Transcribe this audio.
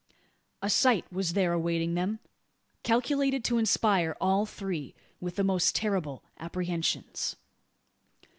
A sight was there awaiting them, calculated to inspire all three with the most terrible apprehensions.